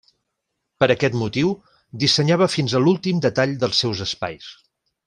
Per aquest motiu dissenyava fins a l'últim detall dels seus espais.